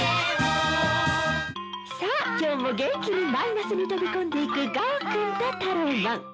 さあ今日も元気にマイナスに飛び込んでいくガオくんとタローマン！